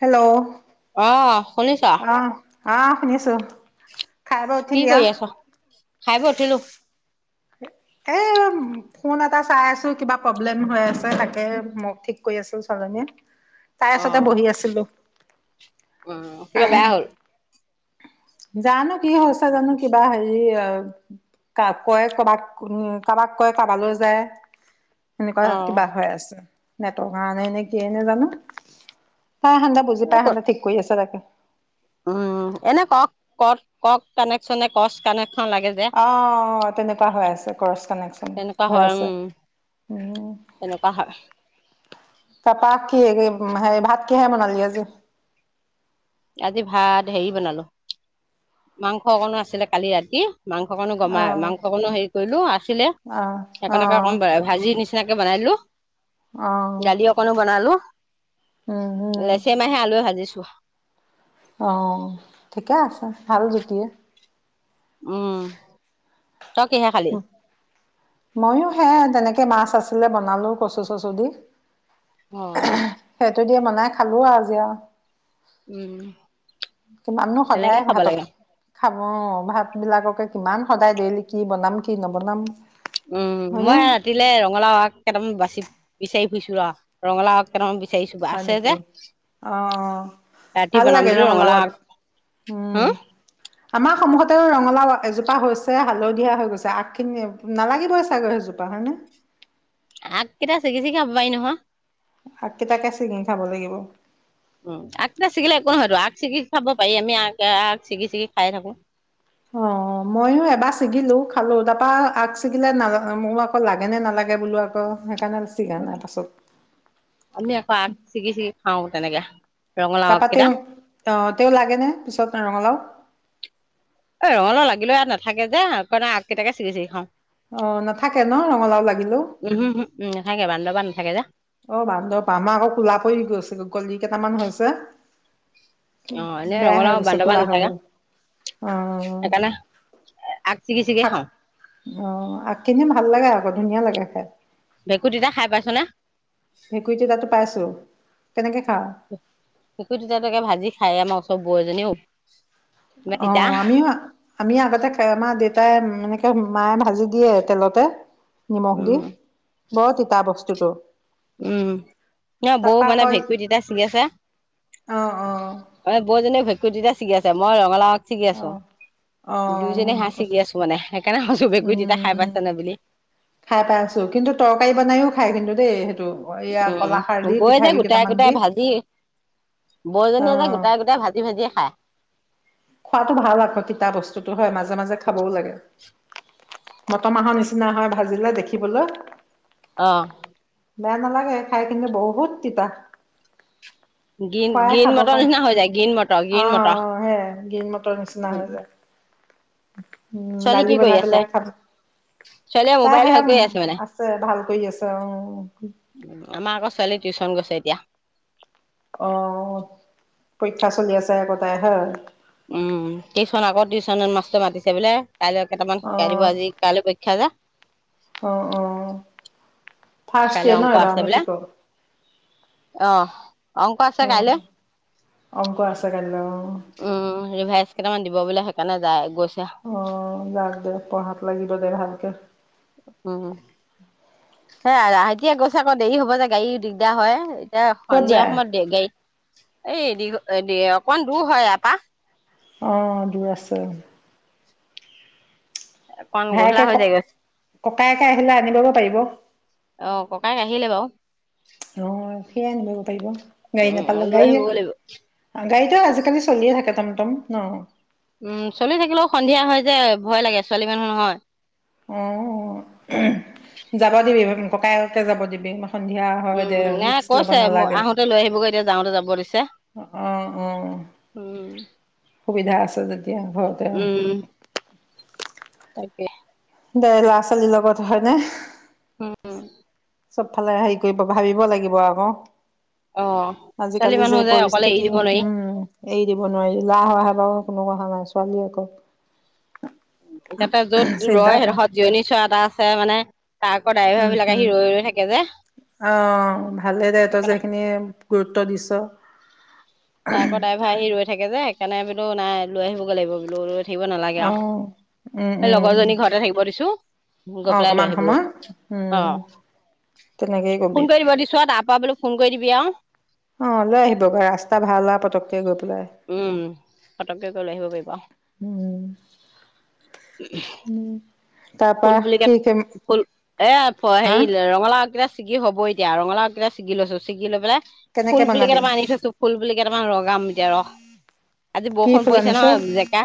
Hello আহ, শুনিছা? অ' শুনিছো। খাই বৈ কি উঠিলি আও কৰি আছ? খাই বই উঠিলো। এ ফোন এটা চাই আছো, কিবা প্ৰব্লেম হৈ আছে তাকে মোক ঠিক কৰি আছে ছোৱালীজনীয়ে। আহ, কিবা বেয়া হ'ল? জানো। কি হৈছে জানো কিবা হেৰি আ কয় কৰবাক উ কাৰোবাক কয় কাৰোবালৈ যায়। সেনেকুৱা অ কিবা হৈ আছে। নেটৰ কাৰণে নে কিয় নে জানো? পাই সিহতে বুজি পাই, সিহতে ঠিক কৰি আছে তাকে। উম এনে কওক ক কওক কানেকচনে কচ কানেক অ' তেনেকুৱা হৈ আছে ক্ৰচ কানেকচন তেনেকুৱা হৈ হয় উম আছে, উম। তেনেকুৱা হয় তাপা কি হেই কি ভাত কিহে বনালি আজি? আজি ভাত হেৰি বনালো, মাংস অকণো আছিলে কালি ৰাতি। মাংস কণো গমাই অ', মাংসকণো হেৰি কৰিলো আছিলে, অ', সেইকাৰণকে অ', অকণ ভাজি নিচি [unintelligible] বনাই দিলো। অ', দালি অকনো বনালো, উম, উম, লেচেই মাহে আলুৱে ভাজিছো। অ' ঠিকে আছে ভাল জুতিয়ে। উম। তই কিহে খালি ময়ো সেয়া তেনেকে মাছ আছিলে বনালো কচু চচু দি। অ সেইটো বনাই খালো আৰু আজি আৰু। উম। কিমান নো তেনেকে সদায় খাব লাগে ভাতকে খাব‌ অ' ভাতবিলাককে কিমান সদায় দেইলি কি বনাম কি নবনাম। উম হয়নে? মই ৰাতিলে ৰঙালাও আগ কেইটামান বাচি বিচাৰি বিছোৰা ৰঙালাও‌ আগ বিচাৰিছো হয় আছে যে নেকি? অ' ৰাতি ভাল বনাম লাগে বুলি ৰঙালাও আগ, হা উম, আমাৰ সমহত ৰঙলাও এজোপা হৈছে হালধীয়া হৈ গৈছে আগখিনি। নালাগিবই চাগৈ সেইজোপা হয়নে? আগ কেইটা চিগি চিগি খাব পাই নহয়। আগ কেইটাকে চিঙি খাব লাগিব। উম, আগটা ছিগিলে একো নহয়তো। আগ চিগি খাব পাই, আমি আগ আগ চিগি চিগি খাই থাকো। অ' ময়ো এবাৰ ছিগিলো, খালো তাৰপা আগ ছিগিলে না মোৰ আকৌ লাগে নে নালাগে বোলো আকৌ সেইকাৰণে ছিগা নাই [unintelligible] পাছত আমি আকৌ আগ ছিগি ছিগি খাও তেনেকে ৰঙালাও আগ তাৰাপা কেইটা তেও অ' তেও লাগে নে পিছত ৰঙালাও? এ ৰঙালাও লাগিলেও ইয়াত নাথাকে যে, সেইকাৰণে আগ কেইটাকে চিগি চিগি খাওঁ। অ' নাথাকে ন' ৰঙালাও লাগিলেও থাকে যে অ' বান্দৰ, আমাৰ আকৌ কোলা পৰি গৈছে কলি কেইটামান হৈছে অ এনে বেয়া ৰঙালাও হৈ গৈছে বান্দৰবান কোলা হৈ নাথাকে গ'ল। অ' সেইকাৰণে আগ ছিগি ছিগি আগ খাও অ' আগখিনি ভাল লাগে আকৌ ধুনীয়া লাগে। [unintelligible] ভেঁকু তিতা খাই পাইছ নে? ভেকুই তিতাতো পাইছো। তেনেকে ভেকুৰ তিতাটো একে ভাজি খাই আ মো বৌ জনী ঔ অ' আমিও আ আমিয়ে আগতে খাই আমাৰ দেত তাই এনেকে মায়ে ভাজি দিয়ে তেলতে নিমখ দি উম বৰ তিতা বস্তু তটো উম। ন বৌ মানে আকৌ ভেঁকুই তিতা চিঙি আছে। অ অ অ' এ বৌজনীয়ে ভেঁক কুই তিতা ছিগি আছে, মই ৰঙালাও আগ ছিগি অ আছো। অ দুইজনিয়ে হেয়া ছিগি আছো মানে সেইকাৰণে কৈছো ভেঁকুৰি তিতা খাই উম, পাইছে নে বুলি খাই পাইছো। কিন্তু তৰকাৰী বনাইও খাই কিন্তু দেই হে উম বৌয়ে যে কেইটামান দি গোটাই-গোটাই ভাজি, [inaudible] অ বৌজনীয়ে যে গোটাই-গোটাই ভাজি ভাজি খাই। খোৱাতো ভাল আকৌ তিতা বস্তুতটো হয়, মাজে মাজে খাবও লাগে। মট মাহৰ নিচিনা হয় ভাজিলে দেখিবলৈ অ'। বেয়া নালাগে খাই কিন্তু বহুত তিতা গ্ৰী খোৱাই গ্ৰীণ খাব মটৰ পাৰে নিচিনা হৈ যায়, গ্ৰীণ মটৰ গ্ৰীণ মটৰ গ্ৰীন মটৰ নিচিনা হৈ যায়। উম ছোৱালী দালি কি কৰি বনাই আছে পেলাই খাব। ছোৱালীয়ে তাই মোবাইল হেই ভাল কৰি মানে আছে পঢ়া-শুনা কৰি আছে অ'। আমাৰ আকৌ ছোৱালী টিউশচন গৈছে এতিয়া আহ পৰীক্ষা চলি আছে একোটাই হে? উম টিউশন আকৌ টিউশন মাষ্টৰ মাতিছে বোলে কাইলৈ কেইটামান অ শিকাই দিব আজি কাইলৈ পৰীক্ষা যে। অ অঁ। ফাৰষ্ট দ ন হয় বা মেতি কক আহ। অংক আছে কাইলৈ অংক আছে কাইলৈ অ উম ৰিভাইছ কেইটামান দিব বুলি সেইকাৰণে যাই গৈ অ যাক দেক পঢ়াত লাগিব দেহাল া [unintelligible] ক উম। হেতিয়া গৈছে আকৌ দেৰি হ'ব যে গাড়ী দিগদাৰ হয়। এ ক'ত সন্ধিয়া যায় সময়ত দেগা়ত এইঘ অকমান দূৰ হয় এপা আহ দুৰ আছে। অকন গধূলা ভায়েকে ক হৈ যায়গৈ ককায়েকে আহিলে আনি লব পাৰিব। অ ককায়েক আহিলে বাৰু অ। সেয়াই আনিব পাৰিব। গাড়ী নাপালে উমল গাড়ী আহিবিব গাড়ীতো আজিকালি চলিয়ে থাকে টমটম ন! উম চলি থাকিলেও সন্ধিয়া হয় যে ভয় লাগে ছোৱালী মানুহ নহয়। অ যাব দিবি ককায়কে যাব দিবি সন্ধিয়া হয় দে উম এ ৰিক্স ল'ব কৈছে নালাগে আহোতে লৈ আহিবগৈ এতিয়া যাওঁতে যাব দিছে অ অ উম। সুবিধা আছে যেতিয়া ঘৰতে ে [unintelligible] দে ল'ৰা ছোৱালীৰ লগত হয় ন! উম। চবফালে হেৰি কৰিব ভাবিব লাগিব আকৌ অ ছোৱালী আজিকালি মানুহ যে অকলে এৰি পৰিস্থিতি দিব নোৱাৰি উম এৰি দিব নোৱাৰি লাহ সহায় বাাৰু কোনো কহথা নাইছিল পানীয়ে কক এটা য'ত ৰয় এটা তত জিৰণি চোৱা এটা আছে মানে ত আকৌ ডাইভ বিলাকে হিৰ ৰৈ ৰৈ থাকে যে, আহ ভালেই দে তই সেইকাৰণে যেখিনিয়ে গুৰুত্ব দিছ, ত আকৌ ডাইভাই আহি ৰৈ থাকে যে, সকাৰে বলো নাই লৈ আহিবগৈ লিব বোলো। থাকিব নালাগে অ আৰু উম স উম লগৰজনী ঘৰতে থাকিব দিছো অ গৈ পেলাই লৈ অকমান আহিব সময় অ উম তেনেকেই কবি ফোন কৰি দিব দিছো তাৰ পৰা বোলো। ফোন কৰিবি। অ লৈ আহিব ৰাস্তা ভাল হ পটকে গৈ, পেলাই উম সতককৈ কৰি লৈ আহিব পাৰিব। উম উম তাৰপা ফুল বুলিুল ক কি কেম ফুল এ হা হেৰি ৰঙালাও কেইটা, ছি হ'ব এতিয়া ৰঙালাওকেই চি লৈ ছি পেলাই কেনেকে ফুল বুলি বনাবি কেইটামান আনি থৈছো ফুল বুলি কেইটামান ৰাম এতিয়া ৰ, কি ফুল আনিছো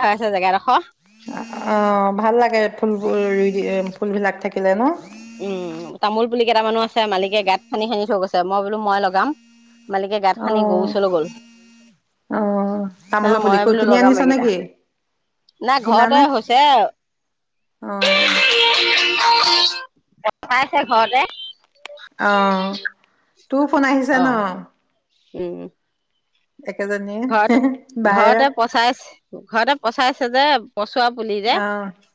হৈ আছে জেগাডোখৰ আহ ভাল লাগে ফুলবোৰ ৰুই ফুলবিলাক থাকিলে ন, উম তামোল বুলি! কেইটা মানুহ আছে মালিকে গাত খান্দি খানি থৈ গৈছে মই বোলো মই লগাম। মালিকে গাঁত অ খান্দি গৰু চলৈ গল অ হ তামোলৰ পুলি মইে ক বোলো কিনি লগাম আনিছ এইকেইটা নেকি নাই কিনা ঘৰতে নে হৈছে। অ গ পাইছে ঘৰতে আহ! তোৰ ফোন আহিছে অ ন, উম! একেজনীয়ে ঘতে বায়ে অ ঘৰতে পচাইছে ঘৰতে পচাইছে, স যে, পচোৱা পুলি যে অ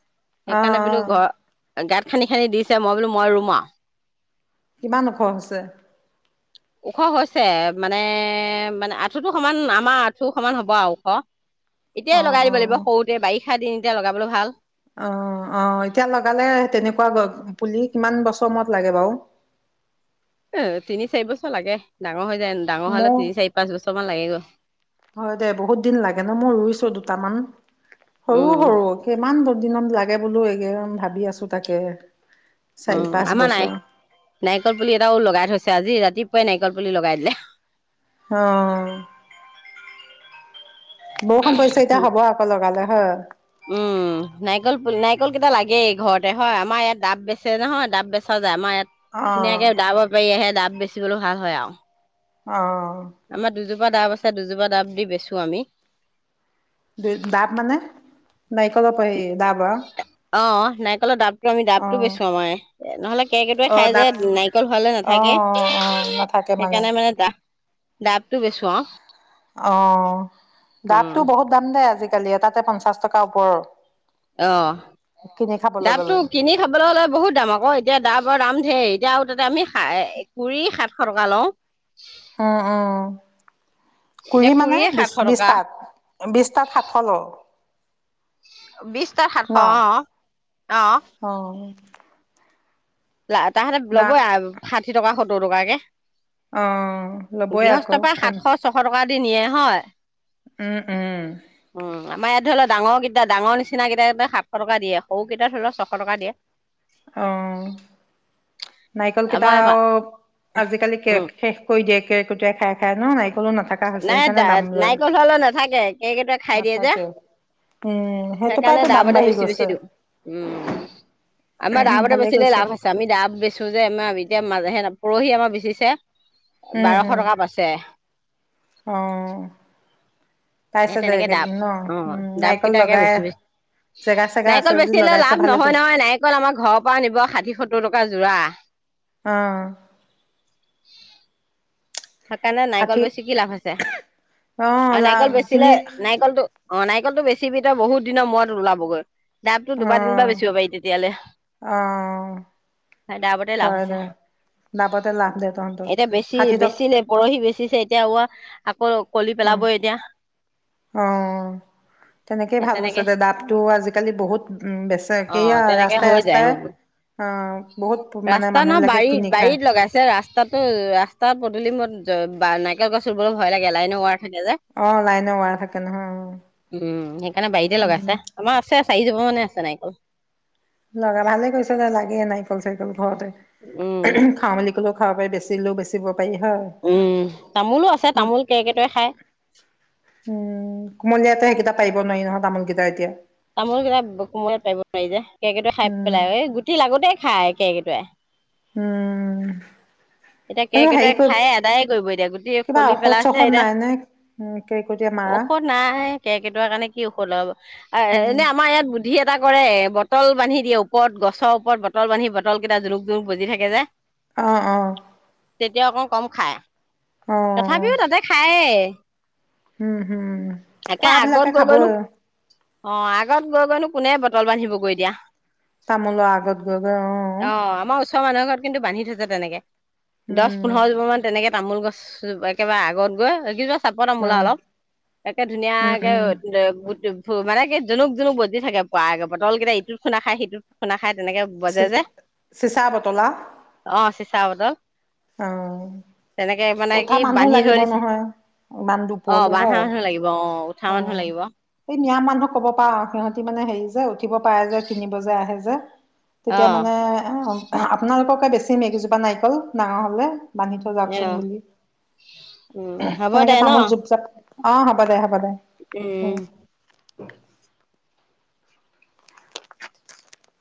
অ বোলো ঘৰত, গাঁত খান্ খি দিছে মই বোলো মই ৰুমা কিমান ওখ হৈছে ওখ হৈছে মানে মানে আঁঠুতটো সমান আমাৰ আঁঠু সমান হ'ব আৰু ওখ, অ এতিয় লগাই অ দিব লাগিব সৰুতে বাৰি শিঠা দিন এতিয়া লগাবলৈ ভাল। অ অ এতিয়া লগালে তেনেকুৱা পুলি কিমান বছৰ মূৰত লাগে বাৰু অ তিনি চাৰি বছৰ লাগে। ডাঙৰ হৈ যায় ডাঙৰ হলে মোৰ তিনি চাৰি পাঁচ বছৰ মান লাগেগৈ হয় দে বহুত দিন লাগে ন মই ৰুইছো দু তামান, সৰু উম সৰু কিমান দু দিনত লাগে বোলো এই কিদিন ভাবি আছো তাকে, উ চাৰি পাঁচ আমাৰ নাৰ বছৰ নাৰিকল পুলি এটাও লগাই থৈছে আজি ৰাতি, পুৱাই নাৰিকল পুলি লগাই দিলে, আহ, বৰুষুণ পৰিছে এতিয়া হ'ব আকৌ লগালে হয়। কলইটা লাগে ঘৰতে হয় আমাৰ ইয়াত দাব বেচে নহয় দাব বেচা যাই আমাৰ ইয়াত অ ধুনীয়াকে দাব বেপাৰী আহে দাব বেচিবলৈও ভাল হয় আও। অ। আমাৰ দুজো এজোপা দাব আছে, দুজোপা দাব দি বেচোঁ আমি দু দাব মানে? নাৰিকলৰ পা হেই দাব আহ নাইকলৰ দাব আমি ডাবটো বেচোঁ আমাৰ নহ'লে কেৰ্কেটুৱাই অ খাই যে ডাব নাৰিকল হোৱালে অ নাথাকে। অ অ নাথাকে সেইকাৰণে মানে দাব ডাবটো বেচো‍ঁ আহ অহ' ডাবটো বহুত দাম দে আজি লি এটাতে পঞ্চাশ টকা ওপৰৰ। অ' কিনি খাবলৈ দাবটো গ'লে কিনি খাবলৈ হ'লে বহুত দাম আকৌ এতিয়া দাব, দাম ঢেৰ এতিয়া আৰু তাতে আমি, কুৰি সা সৰকা ল উম উম এতিয়া কুৰি মানে কুৰিয়ে বিশ সাতশ টকা বিশটাত, বিশটাত সাতশ ল'। বিশ তাত সাতশ, ন অ' অ'। তাহাঁতে দা ল'বই ষাঠি টকা সত দহ টকাকে, অ' ল'বয়ে আকৌ গৃহস্থৰ পৰা ত। সাতশ ছশ টকা নিয়ে হয়। উম উম। উম আমাৰ ইয়াত ধৰি লওঁ ডাঙৰ কেইটা ডাঙৰ নিচিনাকেইটাক সাতশ টকা দিয়ে। সৰুকেইটা ধৰি লওঁ ছশ টকা দিয়ে। অহ' নাৰিকল কেইটা আমাৰ আজিকালি কে উম শেষ কৰি দিয়ে। কেকোটাই খাই খাই নহ নাই ডা নাৰিকল হোৱালৈ নাথাকে। কেইকোটাই খাই দিয়ে যে নাথাকেও উম সেইটো সেইকাৰণে পৰাইতো দাম ডাবতে বাঢ়ি বেছি গৈছে বেছি দিওঁ উম। আমাৰ দাবতে ভালে বেচিলে কৰিছে লাভ আছে। আমি দাব বেচোঁ যে আমাৰ এতিয়া মাজেহে ন পৰহি আমাৰ বেচিছে উম বাৰশ উম টকা পাইছে। অ এ পাইছে দে তেনেকে ডাব ন অ' উম ডাব নাৰিকল কেইটাকে লগাই বেছি বেছি জেগা চেগা আছে নাৰিকল যদি বেচিলে লগাইছে লাভ ভালে নহয় কৰিছে নহয়। নাৰিকল আমাৰ ঘৰৰ পৰা নিব ষাঠি সত্তৰ টকা যোৰা। অ সেইকাৰণে নাৰিকল ষাঠি বেছি কি লাভ আছে? অ আৰু লাভ নাৰিকল বেছি কিনি [unintelligible] নাৰিকলটো। অ' নাৰিকলটো বেছিবি তই বহুত দিনৰ মূৰত ওলাবগৈ। ডাবটো অ দুবাৰ তিনিবাৰ বেছিব পাৰি তেতিয়ালে। অ' ডাবতে লাভ হয় আছে। দে লাভতে লাভ দে তহঁতৰ এতিয়া বেছি ষাঠি টক বেছি নে পৰহি বেচিছে এতিয়া আকৌ কলি পেলাবই এতিয়া। আহ তেনেকেই সেই ভাল হৈছে তেনেকে দে। ডাবটো আজিকালি বহুত বেছি অ কি এইয়া তেনেকে ৰাস্তাই হৈ ৰাস্তাই যায় বহুত মানে ৰাস্তা নহয় মানুহবিলাকে বাৰীত কিনি খায়। বাৰীত লগাইছে ৰাস্তাটো ৰাস্তা [unintelligible] নাৰিকল গছ ৰুব ভয় লাগে লাইনোৱাৰ [unintelligible] অ লাইনৰ ৱাৰ থাকে নহয় অ উম, সেইকাৰণে বাৰীতে উম লগাইছে, আমাৰ আছে আছে। চাৰী জোপা মান এই আছে নাৰিকল। লগা ভালে কৈছ ন লাগে নাৰিকল চাৰিকল। উম ঘৰতে, খাও বুলি কল খাব পি বেছিলেও বেচিব পাৰি হয়। উম, তামোলো আছে উম তামোল কেৰকেতুয়াই খাই। উম কুমলীয়াতে সেইকেইটা পাৰিব নোৱাৰি নহয় তামোলকেইটা এতিয়া। তামোল কেইাক, কোমোৰে পাৰিব নোৱাৰি যে। কেৰকেতুয়াই খাই উম পেলাই এই গুটি লাগোতেই খাই। কেৰকেতুয়াই। উম। এতিয়া সেইটো হেৰি কেৰকেইটোৱাই কৰি খাই আদায়ে কৰিব এতিয়া গোটেই কিবা কলি ঔষধ পেলাইছে, চষধ নাই নে উম কেৰ্কেটুৱাই এতিয়া মাৰা ঔষধ নাই কেৰকেইটাৰ কাৰণে কি ঔষধ লব উম এনে আমাৰ ইয়াত দ্ধি এটা কৰে বটল বান্ধি দিয়ে ওপৰত গছৰ ওপৰত বটল বান্ধি বটল কেইটা জৰুক জোৰক বজি থাকে যে। অ' অ'। তেতিয়া অকণ কম খায়। অ তথাপিও তাতে খায়ে। উম হম, একে আগত খোৱাবিলাকে গৈ খাব গৈনো আৰু। অ' আগত গৈ গৈনো কোনে বটল বান্ধিবগৈ দিয়া। তামল আগত গৈ গৈ অ'। আমাৰ ওচৰৰ মানুহৰ ঘৰত কিন্তু বান্ধি তেনেকে। দহ উম পোন্ধৰ জোপামান তেনেকে তামোল গছ একেবাৰে আগত গৈ কিবা চাপত অ মোলা অলপ একে উম ধুনীয়াকে উম [unintelligible] মানে কি জুনুক জুনুক বজি থাকে পুৱা বটলকেইটা ইটোত খুনা খাই সিটোত খুনা খাই। তেনেকে বজে চি যে চিচা বতল আ অ চিচা বতল। অ' মানে কি উঠা মানুহ বান্ধি থৈ লাগিব দিছে নহয় ইমান অ দুপৰলৈ বান্ধা হয়। মানুহ লাগিব অ উঠা মানুহ অ' লাগিব এই মিয়া মানুহক ক'ব পাৰা সিহঁতি মানে হেৰি যে উঠিব পাৰে যে কিনিব যে আহে যে। তেতিয়া মানে এ আপোনালোকক কৈ বেছি মেগীজোপা নাৰিকল ডাঙৰ হ'লে। বান্ধি থৈ এ যাওকচোন বুলি, উম হ'ব তেনেকে দে ন তামোল জুপ জাপ অ' হ'ব দে। হ'ব দে উম উম। [inaudible]